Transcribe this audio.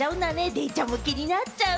デイちゃんも気になっちゃう。